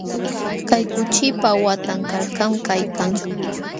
Kay kuchipa waqtan karkam kaykan.